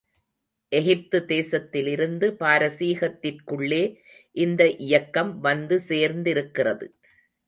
எகிப்து தேசத்திலிருந்து பாரசீகத்திற்குள்ளே இந்த இயக்கம் வந்து சேர்ந்திருக்கிறது.